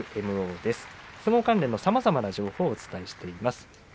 相撲関連のさまざまな情報をお伝えしています。